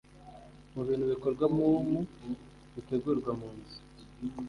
Mu bintu bikorwa mu mpu bitegurwa mu nzu